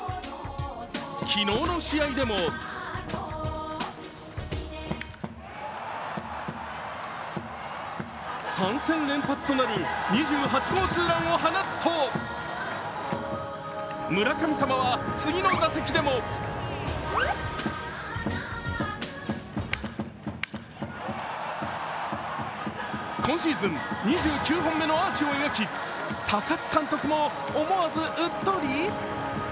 昨日の試合でも３戦連発となる２８号ツーランを放つと村神様は次の打席でも今シーズン２９本目のアーチを描き、高津監督も思わずうっとり。